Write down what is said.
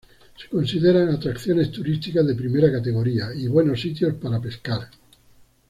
Se consideran atracciones turísticas de primera categoría y buenos sitios para pescar.